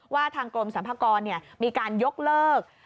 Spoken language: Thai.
ว่าทางกรมสัมภาคอนมีการยกเลิก